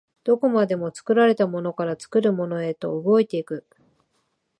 どこまでも作られたものから作るものへと動いて行く。